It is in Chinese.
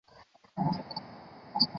现在为摩洛哥国家足球队效力。